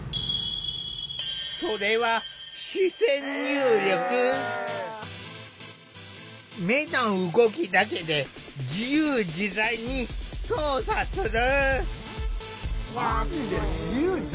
それは目の動きだけで自由自在に操作する。